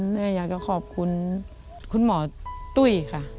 แม่อยากจะขอบคุณคุณหมอตุ้ยค่ะ